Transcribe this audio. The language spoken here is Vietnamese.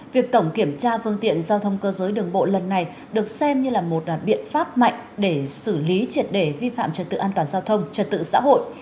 việc tổng kiểm tra phương tiện giao thông cơ giới đường bộ lần này được xem như là một biện pháp mạnh để xử lý triệt để vi phạm trật tự an toàn giao thông trật tự xã hội